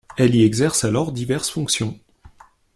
Elle y exerce alors diverses fonctions.